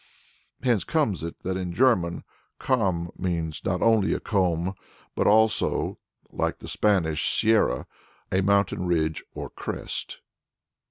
Thence comes it that in German Kamm means not only a comb but also (like the Spanish Sierra) a mountain ridge or crest.